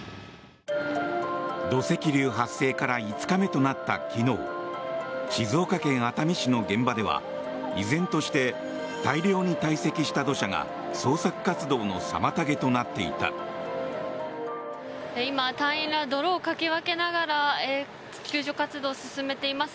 土石流発生から５日目となった昨日静岡県熱海市の現場では依然として大量にたい積した土砂が捜索活動の妨げとなっていた。